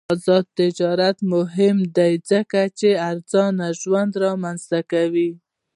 آزاد تجارت مهم دی ځکه چې ارزان ژوند رامنځته کوي.